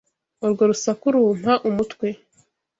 Urwo rusaku rumpa umutwe.